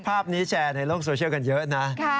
ภาพนี้แชร์ในโลกโซเชียลกันเยอะนะ